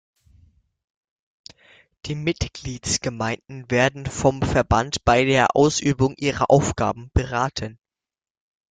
Die Mitgliedsgemeinden werden vom Verband bei der Ausübung ihrer Aufgaben beraten.